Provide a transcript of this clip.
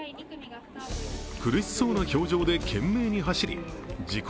苦しそうな表情で懸命に走り自己